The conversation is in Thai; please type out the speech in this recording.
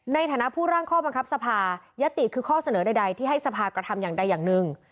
ในฐานะผู้ร่างข้อบังคับสภายติคือข้อเสนอใดที่ให้สภากระทำอย่างใดอย่างหนึ่ง